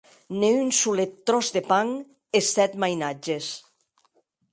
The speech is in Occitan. Ne un solet tròç de pan e sèt mainatges!